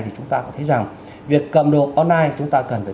việc cầm đồ online chúng ta cần